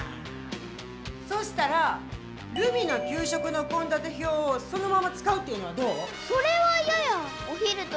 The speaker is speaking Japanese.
そしたら、ルミの給食の献立表をそのまま使うというのはどうそれは嫌や。